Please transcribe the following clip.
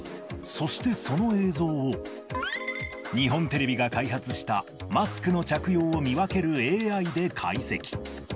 そしてその映像を、日本テレビが開発したマスクの着用を見分けるＡＩで解析。